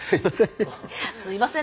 すいません。